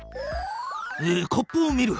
コップを見る。